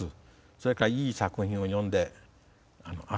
それからいい作品を読んでああ